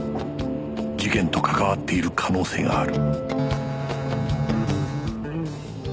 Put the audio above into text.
事件と関わっている可能性がある